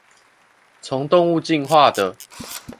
從動物進化的